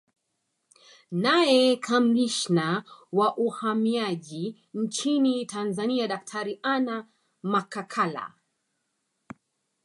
Naye Kamishna wa Uhamiaji nchini Tanzania Daktari Anna Makakala